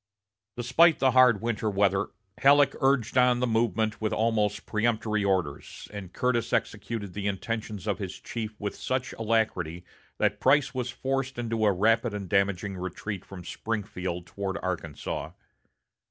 Despite the hard winter weather, Halleck urged on the movement with almost peremptory orders, and Curtis executed the intentions of his chief with such alacrity that Price was forced into a rapid and damaging retreat from Springfield toward Arkansas.